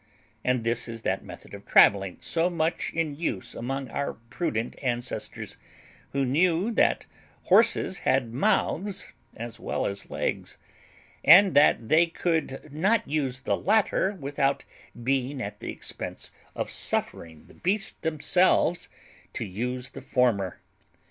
And this is that method of travelling so much in use among our prudent ancestors, who knew that horses had mouths as well as legs, and that they could not use the latter without being at the expense of suffering the beasts themselves to use the former.